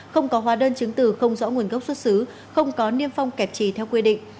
không có hóa đơn chứng từ không rõ nguồn gốc xuất xứ không có niêm phong kẹp trì theo quy định